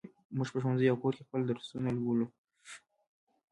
موږ په ښوونځي او کور کې خپل درسونه لولو.